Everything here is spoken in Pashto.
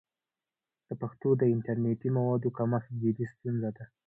د پښتو د انټرنیټي موادو کمښت جدي ستونزه ده.